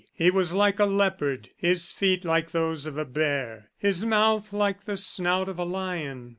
He was like a leopard, his feet like those of a bear, his mouth like the snout of a lion.